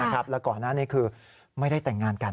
แล้วก่อนหน้านี้คือไม่ได้แต่งงานกัน